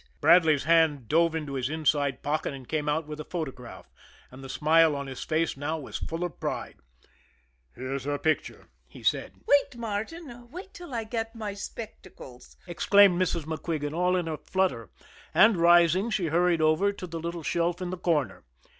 Bradley's hand dove into his inside pocket and came out with a photograph and the smile on his face now was full of pride. "Here's her picture," he said. "Wait, Martin wait till I get my spectacles!" exclaimed Mrs. MacQuigan, all in a flutter; and, rising, she hurried over to the little shelf in the corner.